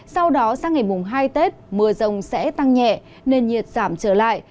sau đó sang ngày mùng hai tết mưa rông sẽ tăng nhẹ nền nhiệt giảm trở lại